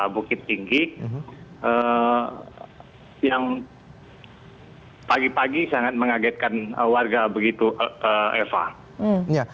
bukit tinggi yang pagi pagi sangat mengagetkan warga begitu eva